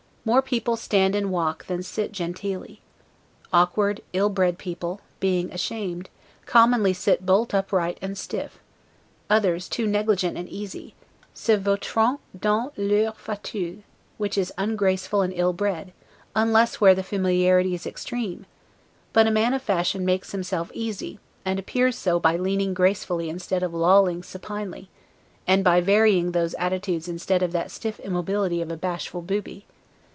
More people stand and walk, than sit genteelly. Awkward, ill bred people, being ashamed, commonly sit bolt upright and stiff; others, too negligent and easy, 'se vautrent dans leur fauteuil', which is ungraceful and ill bred, unless where the familiarity is extreme; but a man of fashion makes himself easy, and appears so by leaning gracefully instead of lolling supinely; and by varying those easy attitudes instead of that stiff immobility of a bashful booby.